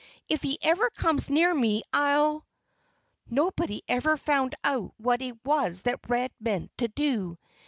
If he ever comes near me I'll " Nobody ever found out what it was that Red meant to do.